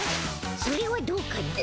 それはどうかな。